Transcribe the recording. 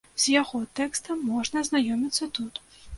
З яго тэкстам можна азнаёміцца тут.